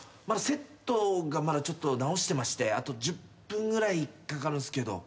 セットがまだちょっと直してましてあと１０分ぐらいかかるんすけど。